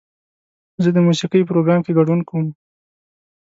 زه د موسیقۍ پروګرام کې ګډون کوم.